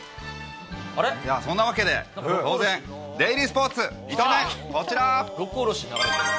そんなわけでデイリースポーツ、こちら。